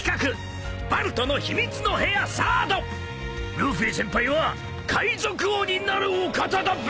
ルフィ先輩は海賊王になるお方だべ！